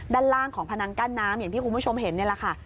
ด้านล่างของพนังกั้นน้ำอย่างที่คุณผู้ชมเห็นนี่แหละค่ะ